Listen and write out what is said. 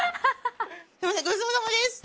すみませんごちそうさまです。